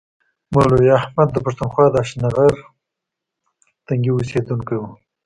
مولوي احمد د پښتونخوا د هشتنغر تنګي اوسیدونکی و.